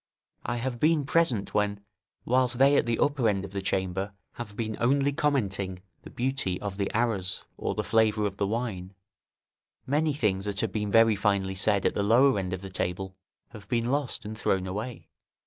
I have been present when, whilst they at the upper end of the chamber have been only commenting the beauty of the arras, or the flavour of the wine, many things that have been very finely said at the lower end of the table have been lost and thrown away.